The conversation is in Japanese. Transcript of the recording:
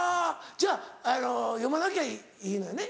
じゃああの読まなきゃいいのよね？